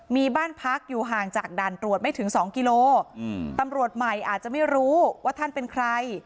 มีบ้านพักอยู่ห่างจากด่านตรวจไม่ถึงสองกิโลตำรวจใหม่อาจจะไม่รู้ว่าท่านเป็นใคร